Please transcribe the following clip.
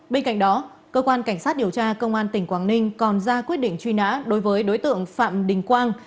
bên cạnh đó cơ quan cảnh sát điều tra công an tỉnh quảng ninh còn ra quyết định truy nã đối với đối tượng phạm đình quang